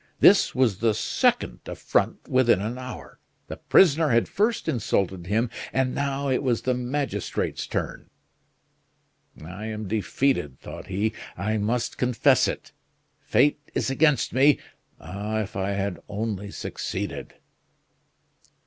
This was the second affront within an hour. The prisoner had first insulted him, and now it was the magistrate's turn. "I am defeated," thought he. "I must confess it. Fate is against me! Ah! if I had only succeeded!"